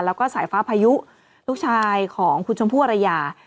แล้วก็สายฟ้าพายุลูกชายของคุณชมพู่อรยา